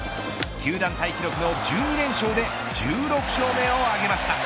球団タイ記録の１２連勝で１６勝目を挙げました。